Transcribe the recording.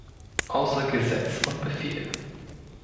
Außer Gesetz und Befehl.